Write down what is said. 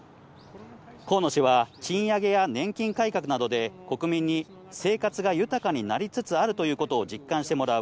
河野氏は賃上げや年金改革などで、国民に生活が豊かになりつつあるということを実感してもらう。